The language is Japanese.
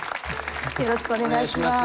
よろしくお願いします。